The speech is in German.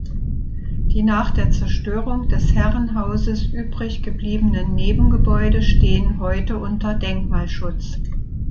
Die nach der Zerstörung des Herrenhauses übriggebliebenen Nebengebäude stehen heute unter Denkmalschutz.